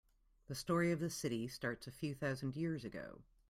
The story of the city starts a few thousand years ago.